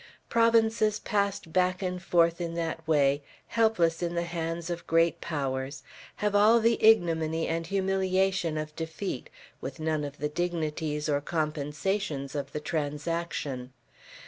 Provinces passed back and forth in that way, helpless in the hands of great powers, have all the ignominy and humiliation of defeat, with none of the dignities or compensations of the transaction.